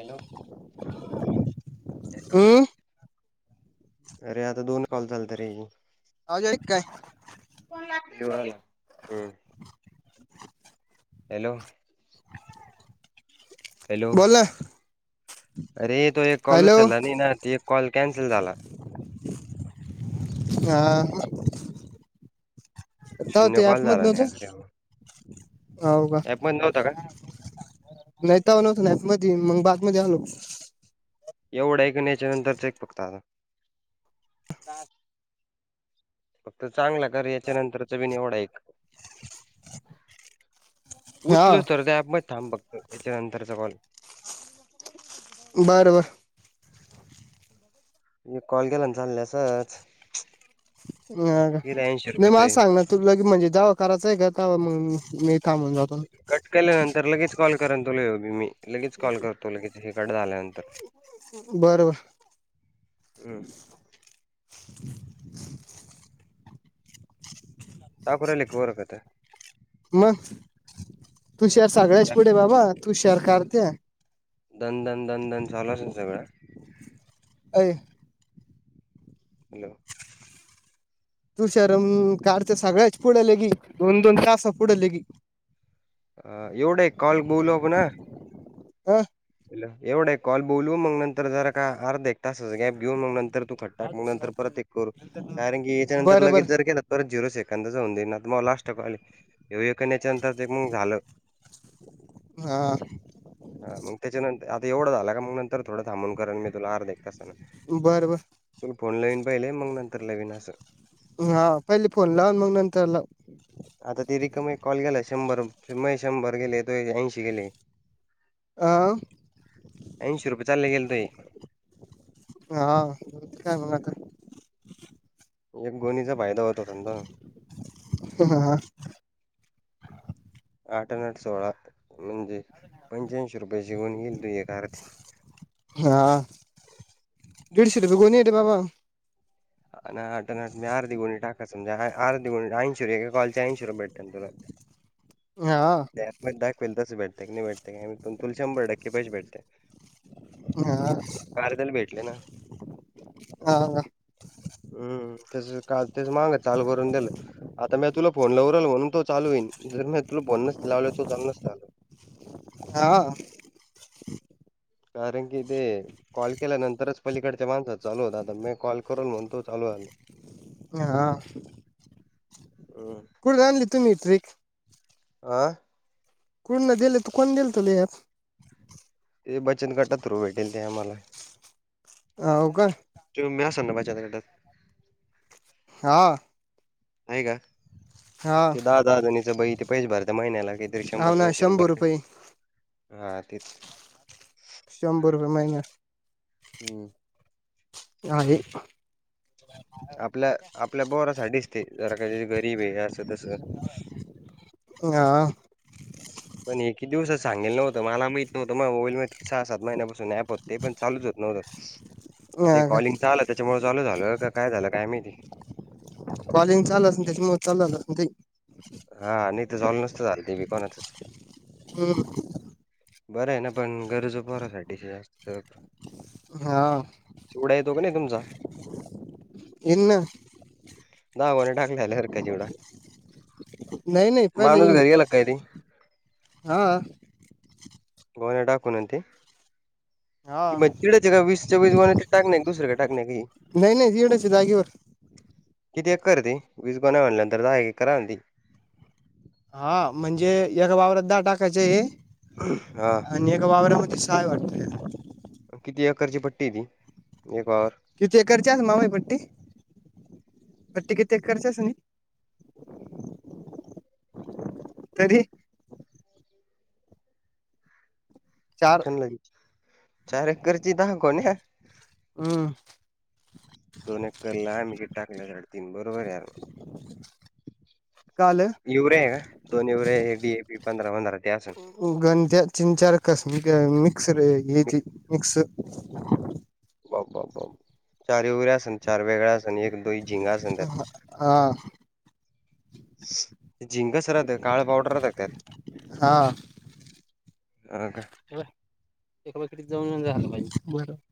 Hollow हम्म अरे आंता दोन कॉल चालतं रे. आंजय कायं. शवलां हम्मं. हम्मं हॅलो हॅलो बोल ना अरे तो एक कॉल हॅलो ऊचलंला नाहीं नां तो एक कॉल कॅन्सल झालां हां हो तांव ते शून्य कॉल आपऍमचं झाला नाही अरे देवा नव्हतं हांव कां ऍप मध्ये नव्हता का नाहींतांवा नवतं नांफ मध्यें मगं बातमी द्यालो एवढं एक कं नच्यां नंतरचं एक फक्तं आंता फक्तं चांगला करं यांच्या नंतरचां पनं निवड एवढां एक हा उचलो तरं तरं ऍप मं थांब बघतो यांच्या नंतरचां कॉल तुं बारं वरं एक कॉल नां चालल्या संच अं नाहीं मलां तुये सांगणारं म्हणजे जावं करायचं आहे कां तवां मंग मी कामूंन जातो कट केल्यानंतर लगेचं कॉल करं तु येगी मी लगेच कॉल करतो लगेच हे कंट झाल्यानंतर बरोबर हम्मं हम्मं दांखू राहिले वरंकातं मंग तूं शहअंर सगळ्यांच पुढे बाबां तूं शहर करते दनं दनं दनं दनं चालूं असं नां सगळं अं हॅलो तुं शरमं कारं चं सगळ्यांचं पुढल गी दोन दोन तांस पुढले गी अ एवढे कॉल बोलू आपन आ. अ. हॅलो. एवढे कॉल बोलू, मग नंतर जरा का, आर्धे तासाच गॅप घेऊन मग नंतर तू खत टाक. मग नंतर परत एक करू. कारण की, याच्यानंतर बरं लगेच जर बरं केलं त तर झिरो सेकंदच होऊ देईणात. मग लास्ट कॉल घेऊया एक न याच्यानंतर जे मग झालं. हा हा म त्याच्यानंतर. आता एवढं झालं का, मग नंतर थोडं थांबून करन, मी तुला अर्ध्या एक तासानं. बरं, बर. तूला फोन लवीन पहिले. मग नंतर लवीन असं. हा, पहिले फोन लाव. न मग नंतर लाव. आता ती रिकामे एक कॉल गेला. शंभर म शंभर गेले, तो ऐंशी गेले. अ ऐंशी रुपये चालले गेल तइ. हा. काय मग आता? एक गोणीचा फायदा होत होता तुमचा. ह, हा. आठ अन आठ सोळा. म्हणजे, पंच्याऐंशी रुपयेची गोणी गेली तुझ्या दारातली. हा. दिडशे रुपये गोणीय ते बाबा. अन् आठ न आठ. मी अर्धी गुणी टाका. समज आ अर्धी गुणी ऐंशी. एका कॉलचे ऐंशी रुपये भेटन तुला. ना आ. त्यात मद दाख विल तसं, भेटतय की नाही भेटतय. पण, तुला शंभर टक्के पैसे भेटतेय. आरदल भेटले ना. हा, का? हम्म. त्याज का तेज माग चालू करून दिलं. आता म्या तुला फोन लावू राहिलो, म्हणून तो चालू हुईन. जर म्या तुला फोन नसता लावला तुझं चालू नसत झालं. हां. कारण की, ते कॉल केल्यानंतरच, पलीकडच्या माणसाचं चालू होतं. आता मी कॉल करल म्हणून तुजं चालू झालं. ना हा. अहं. कुठून आणली तुम्ही ट्रीक? आ. कोण दिले, तो कोण गेलतं, लय आज? ते बचत गटा थ्रू भेटेल ते आम्हाला. हाव का? तुम्ही बी आसंना बचत गटात? हा. आहे का? हा ते दा- दहा जणीचं बही ते पैश भरत महिन्याला, कित हो शंभर- ना दोनशे रुपये शंभर भरतेत. हा तीच. शंभर रुपये महिना. हम्. आहे. आपल्या, आपल्या बोरासाठीच ते. जरा का गरीबय. असं, तसं. हा. [inaudible] पण एकही दिवस सांगेल नव्हतं मला माहित नव्हतं माय मोईलमध्ये सहा सात महिन्यापासून ॲप होतं ते पण चालूच होत न्हवतं. आता हे कॉलिंगच आलं त्याच्यामुळे चालू झालं क काय झालं काय माहिती. कॉलिंगच आल असन त्यांच्यामुळ चाल ते हा, नाही तर झाल नसत झालं ते बी कोणाचच. [inaudible] बरं आहे ना पण गरजं पोरासाठीच असतप. हां. चिवड्या येतो का नाही तुमचा. इन्न. नावाने टाकल्या आल्या हरखा चिवडा, नाही नाही माणूस घरी गेला काय ते. हं. गोवण्या टाकून आन ते, ती हा म्हणते तीनं वीस चोवीस गोण्या टाक नाही दुसऱ्या टाक ने की. नाही नाही एवढ्याशा जाागेवर. किती एक्कर आहे ते, वीस गोण्या होण्या नंतर दहा एकर आणती. हा म्हणजे एका वावरात दहा टाकायचे आहे. हा. आणि एका वावरामध्ये साय वाटतय. अन‌ किती एकरची पट्टी आहे ती गो पावर किती एकरची असना होय पट्टी, पट्टी किती एकरची असनी. तरी चार [inaudible] चार एकरची दहा कोण्या. हम्म. दोन एक्करला आम्ही बी टाकल्या साडेतीन बरोबर यार. काल इवऱ्या आहे ना, दोन इवऱ्या ए डी ए पी पंधरा पंधरा ते असन. गंध्या चिंचार कसमी ग मिक्सर अ ग्लेथी मिक्स. मिक्स बा बा बाव चार इवऱ्या असन चार वेगळ्या असन एक दोई झिंगा असन त्यात. हां. झिंंग सरत हाय काळ पावडर आहे त्यात. हां. हं ग. ते ब एका वाकडीत जाऊनच झालं पाहिजे बरं.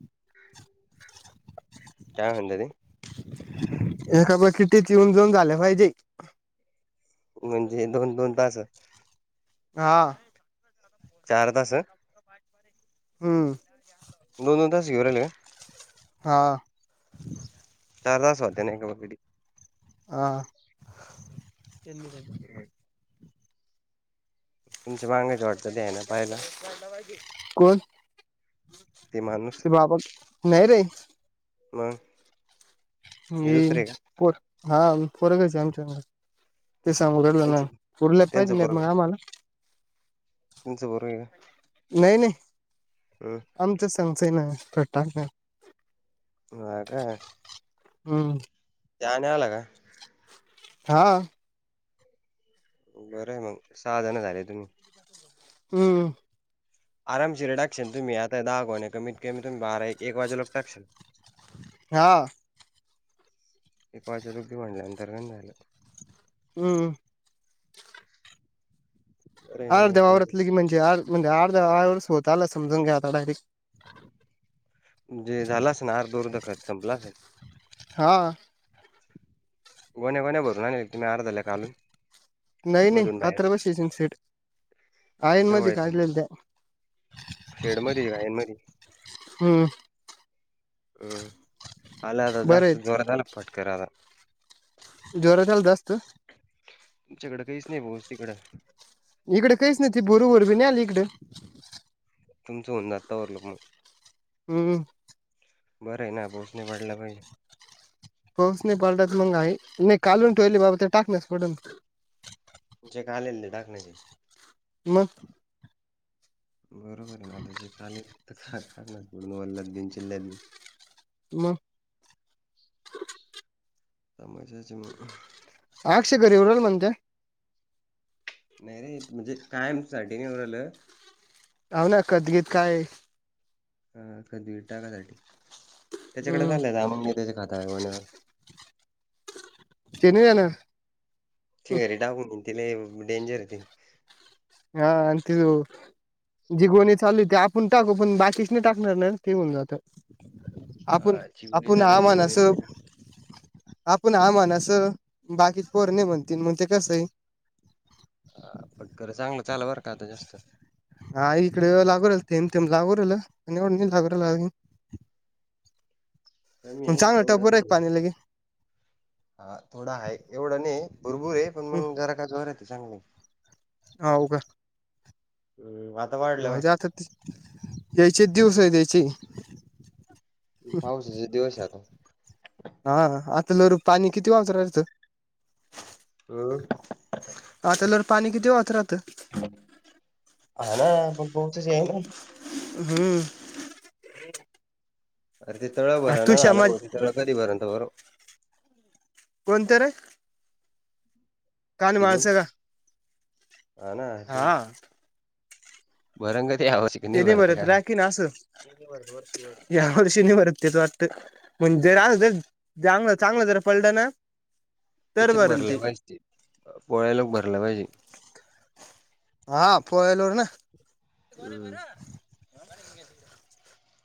काय म्हणलं ते. एका बाटलीतच जेऊन जाऊन झालं पाहिजे. म्हणजे दोन दोन तास. हां. चार तास. हम्म. दोन दोन तास येऊ राहिल्या का. हां. त्यालासा त्यानं एकवा पिढीत हां. [inaudible] तुमच्या बांगाच्या वाटतं द्यायना पाहायला. साईटला व्हा कि, कोण ते बाबा, नाही रे. मग हे मी दुसरे का कोण, ये हा फरकच आमच्या ते सांगून ना उरलं त्यांच नाही, उरलेच पाहिजे त्यांचं नाही मग आम्हाला. तुमच्या बरंय. नाही नाही, आमचं आमचं आहे ना पटांगण. होय काय. हम्म. त्याने आला काय. हां बरंय मग, सहा जण झाले तुम्ही. हम्म. आरामशिर टाकशन तुम्ही आता दहा गोण्या, कमी कमी तुम्ही बारा ऐक वाजेपर्यंत टाकशील. हां. माझ्या होती म्हंटल्यावर ट्रेन झाल्यात [unintelligible] हम्म. अरे नाही एक वाजे अर्ध्यावावरतलं की म्हणे आ म्हणजे अर्धवरच होत आला समजून घ्या आता डायरेक्ट. म्हणजे झालास ना अर् खत संपल असल. हां. गोण्या गोण्या भरून आणेल, हे अर्धा ले काडून. नाही नाही, पात्र बस शेट, आहे ना मध्ये काढलेलं त्या. शेड मध्ये आहे म्हणे,, हम्म हम्म. आला आता बरं जास्त आहेत जोरात आला पटकर आता. जोरात आला जास्त. तुमच्याकडं काहीच नाही पाऊस तिकडं. इकडं काहीच नाही ती भूर भूर बी नाही आली इकडं. तुमचं होऊन आत्ता आवरल मग. हम्म. बरंय ना, पाऊस नाही पडला पाहिजे. पाऊस नाही पडला तर मग आहे, नाही कालवून ठेवल आहे बाबा ते टाकणच पडल. तुमचे काय आले ल टाकण्याचे. मग बरोबर आहे ना आता ज काकणारडून वल्यात बि चिल्ल्यात बी. [unintelligible] तु मग मग त्याच्यामुळं. अक्षय घरी येऊ राहिला म्हणत्या. नाही रे, म्हणजे कायम साठी नाही येऊ राहिलं.. [unintelligible] काय हा रेड टाकायसाठी, त्याच्याकडे हम्म झालंय जा मग मी त्याचे खाता वन एवर. ते नाही येणार. ते घरी टाकून तिला डेंजर य ते. हा आण त्योव. जी गोणी चालू ते आपण टाकू, पण बाकीच नाही टाकणार ना ते होऊन जातं. हा आपण चि गोळी आपण झाली हा होती म्हण गोळी असं [unintelligible] आपण हा म्हणाच, अन् बाकीत पोरं नाही म्हणते म्हण ते कसंय? पट, खरं चांगलं चाल बर का आता जास्त. हा इकडे लागू राहील थेंब थेंब ते लागू राहिल एवढ लागू राहील. [unintelligible] कमी आहे चांगलं एवढं टप्पू आहे का नाही पाणीलागे. हा थोडा आहे एवढं नाही भुरभूर आहे पण हम्म मग जरा का जोर आहे ते चांगली. होऊ काय. हम्म वा. जाऊदे आता यायचेच दिवस आहे त्याचे. पाऊसचा दिवस आहे आता. हा आता जर पाणी किती वापरात राहायचं [inaudible] आत्यालवर पाणी किती वाहत राहतं. हा ना आपण बोतज आहे ना. हम्म. अरे ति तळं भरा तू ना आले समाज त तळं कधी भरणा भरो. कोणत रे? कानमळाचा का? हाना हा भरणं का ते यावर्षी? तेने भरत राखीना असं या वर्षी नाही भरत तें वाटत म्हणजे राखल जागल चांगलं जरा पलटना. याच्या भरलं पाहिजे पोळ्याला भरला पाहिजे. हा पोळ्याला ना. हम्म.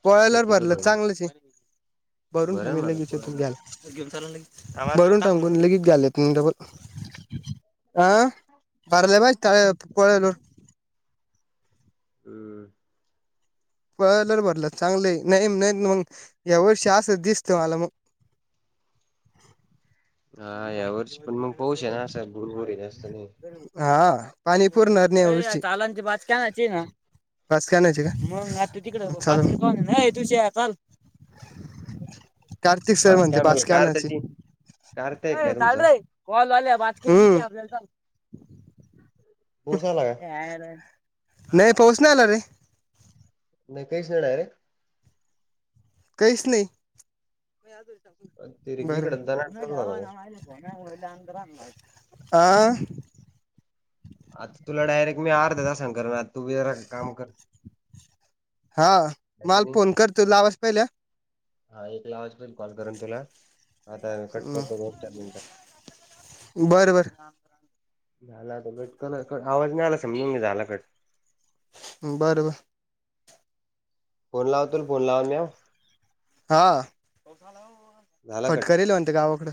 पोळ्याला शक्यतो भरलं तर भर चांगलच आहे भरल मी म्हणा लगेच येतो पोळ्याला. घ्यायला. घेऊन चलना लगेच भरून ठेव ना गोणी लगेच घ्यायला येतो ना डबल. [inaudible] हम्म. पोळा आल्यावर भरल्या तर चांगलंच आहे नाही मग या वर्षी असं दिसतं मला मग. हा या वर्ष पण मग पाऊस आहे ना असं भूर भूर जास्त नाही. हा पाणी पुरणार नाही यावर्षी [unintelligible] बाजकी आणायची का तू तिकड चल आय तुषा चल. कार्तिक सर पाच म्हणते कॅमेराला बाचके कारत्या आणायचे. ती कारत्या आहे काय चल तुमचा रे कॉल आल्या भाजके उचलायचे चल. पाऊस आला का? नाही पाऊस नाही आला रे. नाही कॅश आहे डायरेक्ट काहीच नाही ते बर इकडं दनाट चालू झाला अ आता तुला डायरेक्ट मी अर्ध्या तासाने करणार आता तू काम कर हा मला ऐसे नाही फोन करतो लावास पहिल्या हा एक ला आवाज पल कॉल करून तुला आता म दोन चार मिनटात बरं बरं झाला त गेट कल कट आवाज नाही आला समजून घे झाला कट बरं बर फोन लावतो फोन लावल्यावर हा झाला कट फटकेल म्हणते गावाकडें